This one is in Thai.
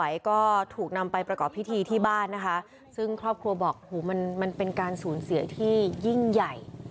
อย่างที่เขาบอกว่ามันเป็นการสูญเสียที่ยิ่งใหญ่